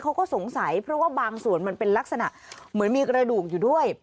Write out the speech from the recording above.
เขาก็สงสัยเพราะว่าบางส่วนมันเป็นลักษณะเหมือนมีกระดูกอยู่ด้วย